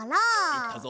いったぞ。